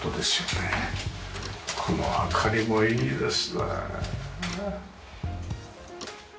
この明かりもいいですねえ。